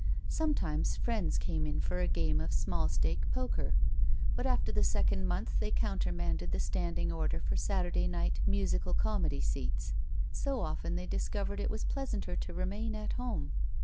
Sometimes friends came in for a game of small stake poker, but after the second month they counter manded the standing order for Saturday night musical comedy seats. So often they discovered it was pleasanter to remain at home.